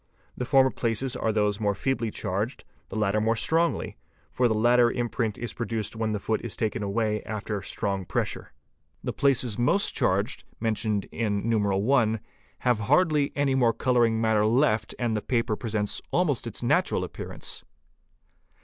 The former places are those more feebly charged, the latter more strongly, for the latter imprint is produced when the foot is taken away after strong pressure. The places most charged (mentioned in I.) have hardly any more colouring matter left — and the paper presents almost its natural appearance.